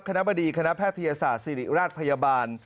คณะบดีคณะแพทยศาสตร์ศิริราชพยาบาล